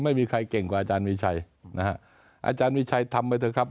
ไม่มีใครเก่งกว่าอาจารย์มีชัยนะฮะอาจารย์มีชัยทำไปเถอะครับ